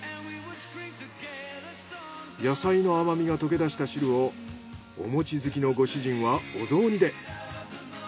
野菜の甘みが溶け出した汁をお餅好きのご主人はお雑煮で。